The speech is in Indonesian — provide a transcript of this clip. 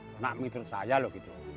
penak mitra saya loh